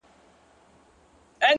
که نه نو ولي بيا جواب راکوي ـ